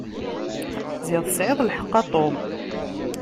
Ziɣ tesεiḍ lḥeqq a Tom.